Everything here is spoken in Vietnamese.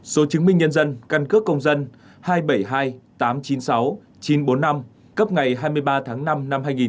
số chứng minh nhân dân căn cước công dân hai bảy hai tám chín sáu chín bốn năm cấp ngày hai mươi ba tháng năm năm hai nghìn một mươi bảy